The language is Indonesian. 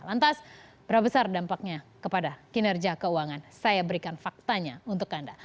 lantas berapa besar dampaknya kepada kinerja keuangan saya berikan faktanya untuk anda